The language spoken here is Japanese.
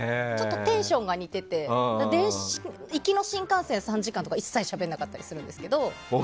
テンションが似てて行きの新幹線３時間とかは一切しゃべらなかったりするんですけど。